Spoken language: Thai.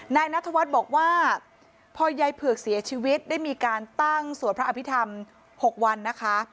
นายนัทวัฒน์บอกว่าพอยายเผือกเสียชีวิตได้มีการตั้งสวดพระอภิษฐรรม๖วันนะคะ